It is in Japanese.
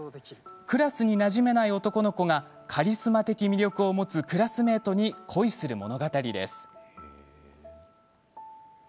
クラスになじめない男の子がカリスマ的魅力を持つクラスメートに恋する物語。